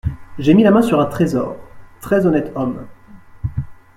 J’ai mis la main sur un trésor… très honnête homme…